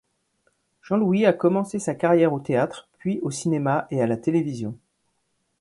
Jean-Louis a commencé sa carrière au théâtre, puis au cinéma et à la télévision.